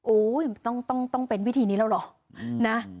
ต้องเป็นวิธีนี้แล้วเหรอนะ